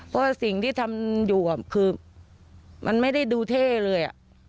เพราะสิ่งที่ทำอยู่คือมันไม่ได้ดูเท่เลย